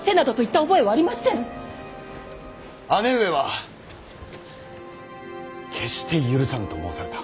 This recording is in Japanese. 姉上は決して許さぬと申された。